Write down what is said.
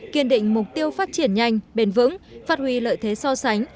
kiên định mục tiêu phát triển nhanh bền vững phát huy lợi thế so sánh